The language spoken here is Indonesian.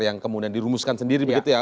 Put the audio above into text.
yang kemudian dirumuskan sendiri begitu ya